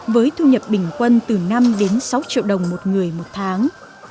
với thu nhập bình quân từ năm đến sáu triệu đồng một người một tháng